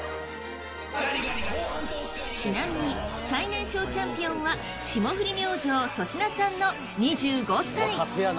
ちなみに、最年少チャンピオンは霜降り明星、粗品さんの２５歳！